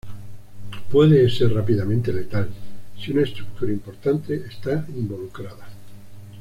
Puede ser rápidamente letal si una estructura importante está involucrada.